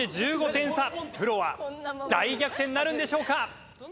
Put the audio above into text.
プロは大逆転なるんでしょうか？